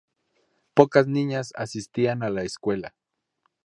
Pocas niñas asistían a la escuela.